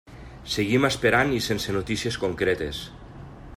Seguim esperant i sense notícies concretes.